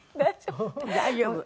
大丈夫？